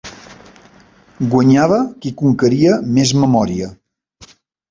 Guanyava qui conqueria més memòria.